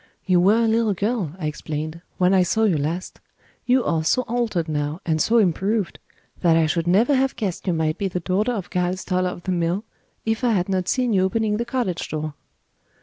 "You were a little girl," I explained, "when I saw you last. You are so altered now and so improved that I should never have guessed you might be the daughter of Giles Toller of the mill, if I had not seen you opening the cottage door."